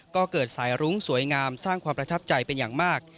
ก็เกิดสายรุ้งสวยงามสร้างความประทับใจเป็นอย่างมาก